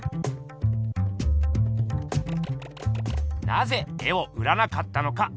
なぜ絵を売らなかったのか。